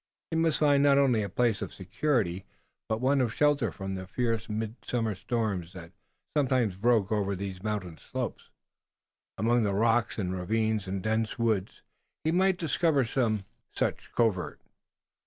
He must find not only a place of security, but one of shelter from the fierce midsummer storms that sometimes broke over those mountain slopes. Among the rocks and ravines and dense woods he might discover some such covert.